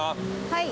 はい。